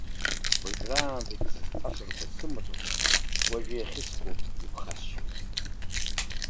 Уажәраанӡагьы сызҵаҽырбоз сымаҭәақәа, уажәы, иахьыску иԥхасшьоит.